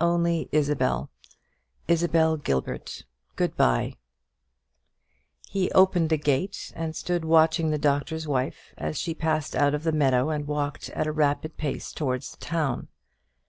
"Only Isabel Isabel Gilbert. Good bye." He opened the gate and stood watching the Doctor's Wife as she passed out of the meadow, and walked at a rapid pace towards the town.